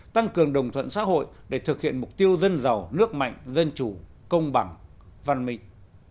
tăng cường đồng thuận xã hội để thực hiện mục tiêu dân giàu nước mạnh dân chủ công bằng văn minh